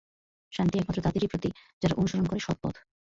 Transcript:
শান্তি একমাত্র তাদেরই প্রতি যারা অনুসরণ করে সৎপথ।